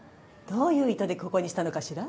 どういう意図でここにしたのかしら？